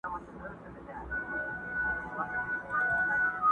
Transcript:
رویباری د بېګانه خلکو تراب کړم!.